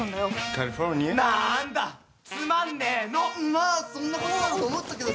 まあそんなことだろうと思ったけどさ。